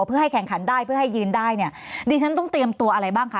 เพื่อให้แข่งขันได้เพื่อให้ยืนได้เนี่ยดิฉันต้องเตรียมตัวอะไรบ้างคะ